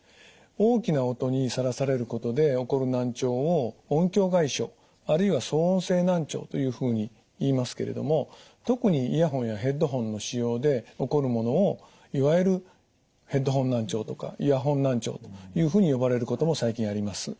大きな音にさらされることで起こる難聴を音響外傷あるいは騒音性難聴というふうにいいますけれども特にイヤホンやヘッドホンの使用で起こるものをいわゆるヘッドホン難聴とかイヤホン難聴というふうに呼ばれることも最近あります。